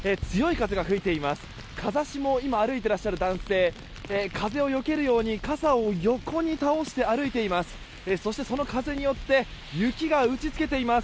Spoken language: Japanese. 風下を今歩いていらっしゃる男性風をよけるように傘を横に倒して歩いています。